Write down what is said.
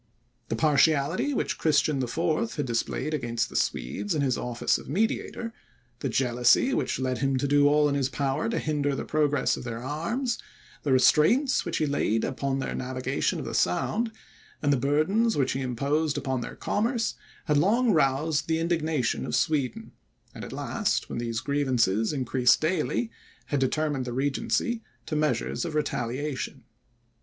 The partiality which Christian IV. had displayed against the Swedes in his office of mediator, the jealousy which led him to do all in his power to hinder the progress of their arms, the restraints which he laid upon their navigation of the Sound, and the burdens which he imposed upon their commerce, had long roused the indignation of Sweden; and, at last, when these grievances increased daily, had determined the Regency to measures of retaliation.